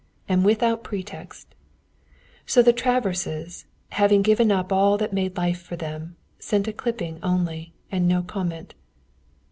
And without pretext. So the Traverses, having given up all that had made life for them, sent a clipping only, and no comment.